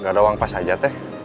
gak ada uang pas aja teh